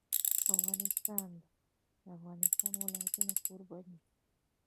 افغانستان د د افغانستان ولايتونه کوربه دی.